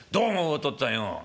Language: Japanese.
お父っつぁんよう」。